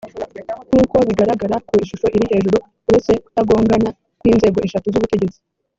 nk uko bigaragara ku ishusho iri hejuru uretse kutagongana kw inzego eshatu z ubutegetsi